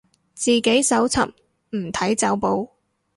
自己搜尋，唔睇走寶